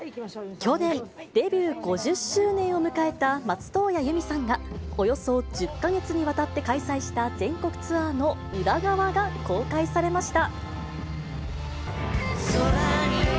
去年、デビュー５０周年を迎えた松任谷由実さんが、およそ１０か月にわたって開催した全国ツアーの裏側が公開されました。